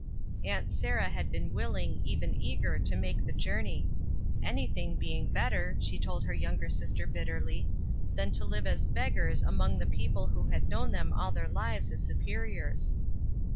Aunt Sarah had been willing, even eager, to make the journey; anything being better, she told her younger sister bitterly, than to live as beggars among the people who had known them all their lives as superiors.